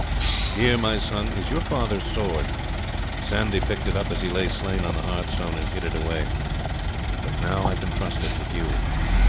Here, my son, is your father's sword. Sandy picked it up as he lay slain on the hearthstone, and hid it away; but now I can trust it with you.